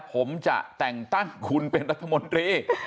ผมจะแต่งตั้งคุณเป็นรัฐมนตรี